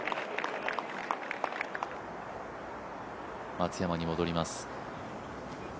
松山に戻ります。